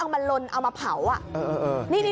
ลองฟังน้องเขาน่ะหน่อยค่ะ